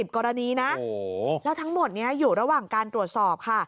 กรณีนะแล้วทั้งหมดนี้อยู่ระหว่างการตรวจสอบค่ะ